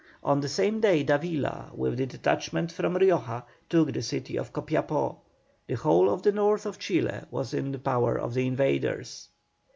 On the same day Davila, with the detachment from Rioja, took the city of Copiapó. The whole of the north of Chile was in the power of the invaders.